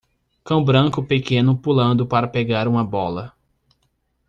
Cão branco pequeno pulando para pegar uma bola